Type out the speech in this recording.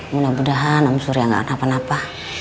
mudah mudahan om surya gak kenapa napa